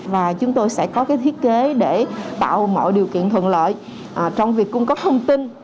và chúng tôi sẽ có cái thiết kế để tạo mọi điều kiện thuận lợi trong việc cung cấp thông tin